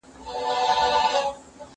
زه به اوږده موده قلم استعمالوم کړی وم!؟